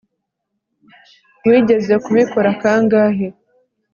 Wigeze kubikora kangahe